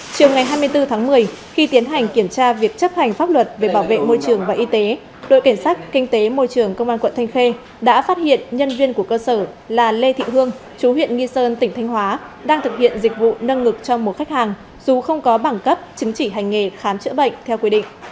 chiều ngày hai mươi bốn tháng một mươi khi tiến hành kiểm tra việc chấp hành pháp luật về bảo vệ môi trường và y tế đội cảnh sát kinh tế môi trường công an quận thanh khê đã phát hiện nhân viên của cơ sở là lê thị hương chú huyện nghi sơn tỉnh thanh hóa đang thực hiện dịch vụ nâng ngực cho một khách hàng dù không có bảng cấp chứng chỉ hành nghề khám chữa bệnh theo quy định